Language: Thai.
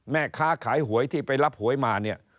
แม่ค้าขายหวยที่ไปรับหวยมาเนี่ย